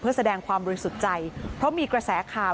เพื่อแสดงความบริสุทธิ์ใจเพราะมีกระแสข่าว